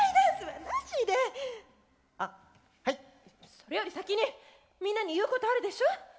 それより先にみんなに言うことあるでしょ！